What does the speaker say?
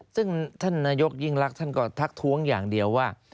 ซึ่งท่านนายกยิ่งรักท่านก็ทักท้วงอย่างเดียวว่า